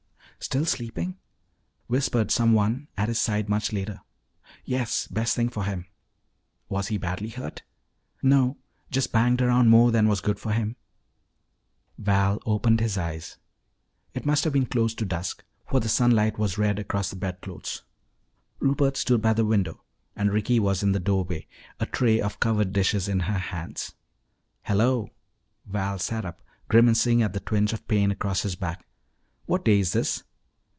" still sleeping?" whispered someone at his side much later. "Yes, best thing for him." "Was he badly hurt?" "No, just banged around more than was good for him." Val opened his eyes. It must have been close to dusk, for the sunlight was red across the bedclothes. Rupert stood by the window and Ricky was in the doorway, a tray of covered dishes in her hands. "Hello!" Val sat up, grimacing at the twinge of pain across his back. "What day is this?"